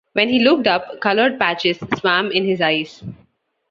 When he looked up, coloured patches swam in his eyes.